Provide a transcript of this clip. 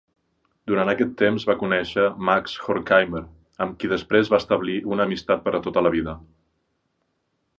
Durant aquest temps va conèixer Max Horkheimer, amb qui després va establir una amistat per a tota la vida.